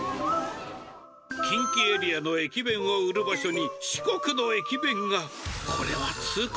近畿エリアの駅弁を売る場所に、四国の駅弁が。